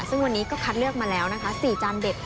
ซึ่งวันนี้ก็คัดเลือกมาแล้วนะคะ๔จานเด็ด